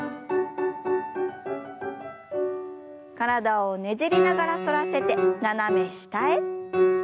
体をねじりながら反らせて斜め下へ。